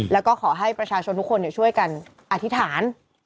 แล้วก็ขอให้ประชาชนทุกคนช่วยกันอธิษฐาน